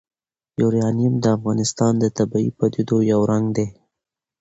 یورانیم د افغانستان د طبیعي پدیدو یو رنګ دی.